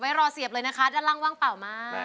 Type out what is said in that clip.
รอเสียบเลยนะคะด้านล่างว่างเปล่ามาก